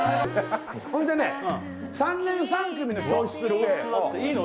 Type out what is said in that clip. ほんでね３年３組の教室行っていいの？